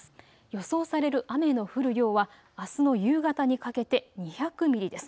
予想される雨の降る量はあすの夕方にかけて２００ミリです。